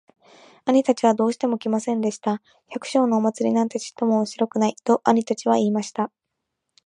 兄たちはどうしても来ませんでした。「百姓のお祭なんてちっとも面白くない。」と兄たちは言いました。